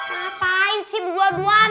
ngapain sih berdua duan